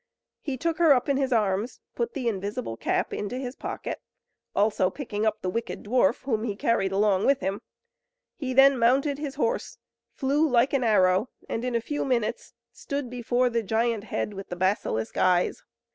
He took her up in his arms, put the invisible cap into his pocket, also picking up the wicked dwarf, whom he carried along with him. He then mounted his horse, flew like an arrow, and in a few minutes stood before the Giant Head, with the basilisk eyes.